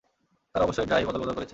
তারা অবশ্যই ড্রাইভ অদলবদল করেছে।